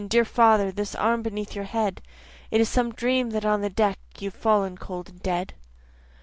dear father! This arm beneath your head! It is some dream that on the deck, You've fallen cold and dead.